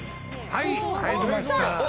はい、入りました！